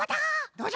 どうじゃ？